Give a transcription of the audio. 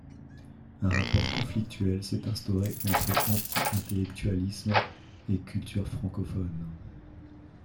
Un rapport conflictuel s'est instauré entre anti-intellectualisme et culture francophone.